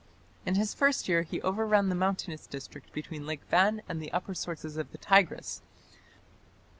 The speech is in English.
In his first year he overran the mountainous district between Lake Van and the upper sources of the Tigris.